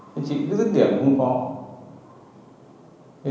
thì chị cứ dứt tiền cũng không có